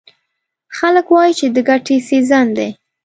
خلک وایي چې د ګټې سیزن دی.